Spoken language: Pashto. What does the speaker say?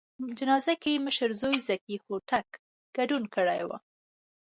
په جنازه کې یې مشر زوی ذکي هوتک ګډون کړی و.